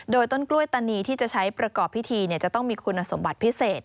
โดยต้นกล้วยตานีที่จะใช้ประกอบพิธีจะต้องมีคุณสมบัติพิเศษ